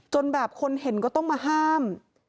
จนแบบคนเห็นก็ต้องมาห้าม